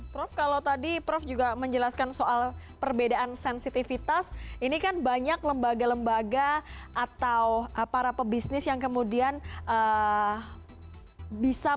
prof kalau tadi prof juga menjelaskan soal perbedaan sensitivitas ini kan banyak lembaga lembaga atau para pebisnis yang kemudian bisa